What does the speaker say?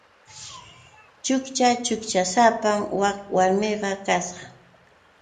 Chukcha chukchasapam wak warmiqa kasqa.